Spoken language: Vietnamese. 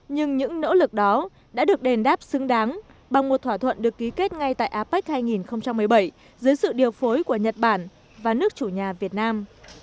nhưng những nỗ lực đó đã được đền đáp xứng đáng bằng một thỏa thuận được ký kết ngay tại apec hai nghìn một mươi bảy dưới sự điều phối của nhật bản và nước chủ nhà việt nam